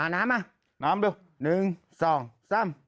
น้ำด้วย